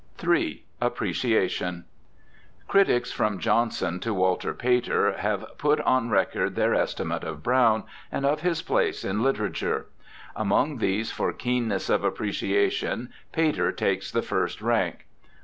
272 BIOGRAPHICAL ESSAYS III— Appreciation Critics from Johnson to Walter Pater have put on record their estimate of Browne and of his place in literature. Among these for keenness of appreciation Pater takes the first rank.